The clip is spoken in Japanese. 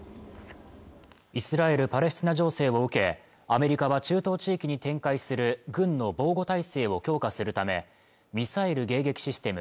イスラエル・パレスチナ情勢を受けアメリカは中東地域に展開する軍の防護体制を強化するためミサイル迎撃システム